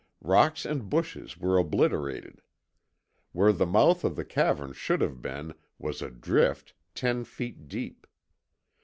Rocks and bushes were obliterated. Where the mouth of the cavern should have been was a drift ten feet deep.